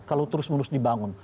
kalau terus menerus dibangun